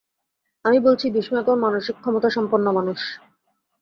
আমি বলছি বিস্ময়কর মানসিক ক্ষমতাসম্পন্ন মানুষ।